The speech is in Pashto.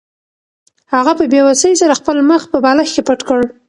هغې په بې وسۍ سره خپل مخ په بالښت کې پټ کړ.